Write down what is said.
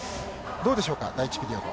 どうでしょうか、第１ピリオド。